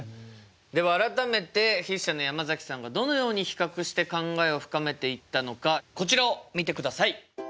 では改めて筆者の山崎さんがどのように比較して考えを深めていったのかこちらを見てください！